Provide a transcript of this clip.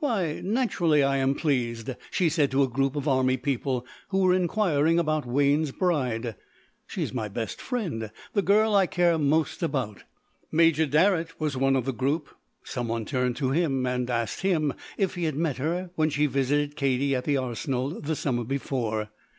"Why, naturally I am pleased," she said to a group of army people who were inquiring about Wayne's bride. "She is my best friend. The girl I care most about." Major Darrett was one of the group. Some one turned to him and asked if he had met her when she visited Katie at the Arsenal the summer before.